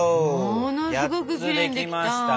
ものすごくきれいにできた。